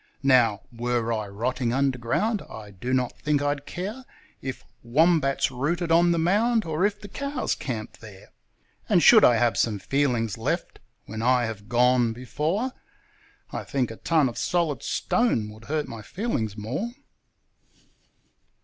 Now, were I rotting underground, I do not think I'd care If wombats rooted on the mound or if the cows camped there; And should I have some feelings left when I have gone before, I think a ton of solid stone would hurt my feelings more.